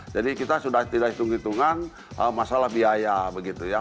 jadi kita sudah tidak hitung hitungan masalah biaya begitu ya